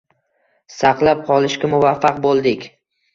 Saqlab qolishga muaffaq boʻldik.